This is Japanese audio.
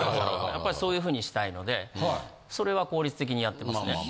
やっぱりそういう風にしたいのでそれは効率的にやってますね。